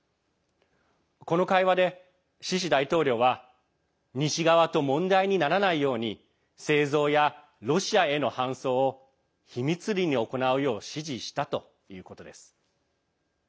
この会話で、シシ大統領は西側と問題にならないように製造や、ロシアへの搬送を秘密裏に行うよう指示したということです。